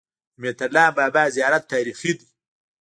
د مهترلام بابا زیارت تاریخي دی